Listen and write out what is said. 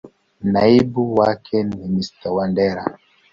Naibu wake ni Mr.Wandera.